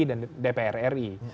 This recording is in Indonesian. dan dpr ri